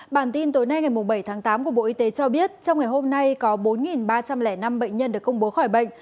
bản tin tối nay ngày bảy tháng tám của bộ y tế cho biết trong ngày hôm nay có bốn ba trăm linh năm bệnh nhân được công bố khỏi bệnh